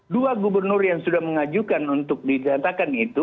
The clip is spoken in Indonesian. dua gubernur yang sudah mengajukan untuk dinyatakan itu